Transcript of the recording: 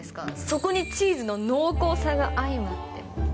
そこにチーズの濃厚さが相まって。